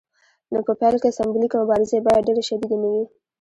نو په پیل کې سمبولیکې مبارزې باید ډیرې شدیدې نه وي.